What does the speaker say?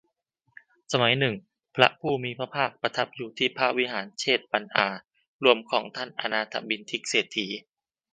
สมัยหนึ่ง พระผู้มีพระภาคประทับอยู่ที่พระวิหารเชตวันอารามของท่านอนาถบิณฑิกเศรษฐี